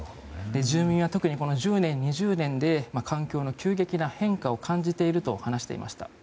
住民は特にこの１０年、２０年で環境の急激な変化を感じていると話していました。